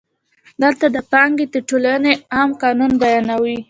دلته د پانګې د ټولونې عام قانون بیانوو